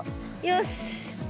よし。